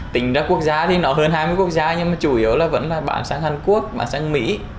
tính ra quốc gia thì nó hơn hai mươi quốc gia nhưng mà chủ yếu là vẫn là bán sang hàn quốc bán sang mỹ